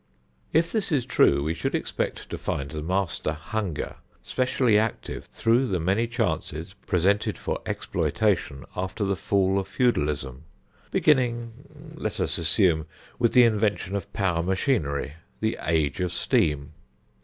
If this is true, we should expect to find the master hunger specially active through the many chances presented for exploitation after the fall of feudalism beginning, let us assume, with the invention of power machinery the "Age of Steam".